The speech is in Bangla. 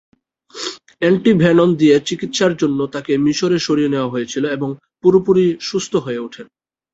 অ্যান্টি-ভেনম দিয়ে চিকিত্সার জন্য তাকে মিশরে সরিয়ে নেওয়া হয়েছিল এবং পুরোপুরি সুস্থ হয়ে ওঠেন।